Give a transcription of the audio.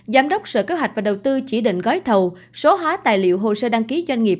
giám đốc sở kế hoạch và đầu tư chỉ định gói thầu số hóa tài liệu hồ sơ đăng ký doanh nghiệp